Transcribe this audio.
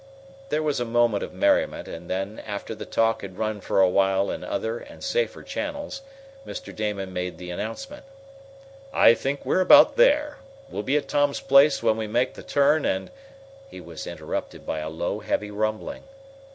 There was a moment of merriment, and then, after the talk had run for a while in other and safer channels, Mr. Damon made the announcement: "I think we're about there. We'll be at Tom's place when we make the turn and " He was interrupted by a low, heavy rumbling.